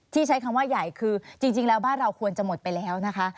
ใช้คำว่าใหญ่คือจริงแล้วบ้านเราควรจะหมดไปแล้วนะคะ